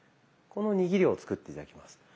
この握りを作って頂きます。